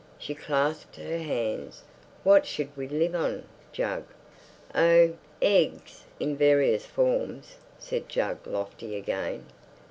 She clasped her hands. "What should we live on, Jug?" "Oh, eggs in various forms!" said Jug, lofty again.